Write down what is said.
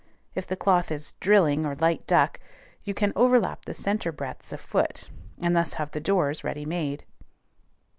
If the cloth is drilling or light duck, you can overlap the centre breadths a foot, and thus have the doors ready made.